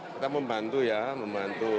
kita membantu ya membantu